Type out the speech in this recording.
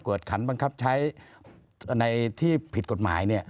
ขันบังคับใช้ในที่ผิดกฎหมาย